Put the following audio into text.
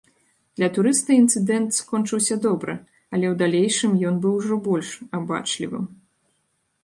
Для турыста інцыдэнт скончыўся добра, але ў далейшым ён ужо быў больш абачлівым.